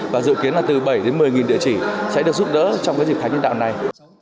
và dự kiến là từ bảy đến một mươi địa chỉ sẽ được giúp đỡ trong cái dịp tháng nhân đạo này